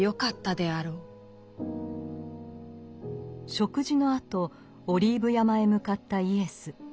食事のあとオリーブ山へ向かったイエス。